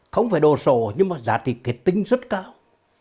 không phải đồ sổ nhưng mà giá trị kết tinh rất cao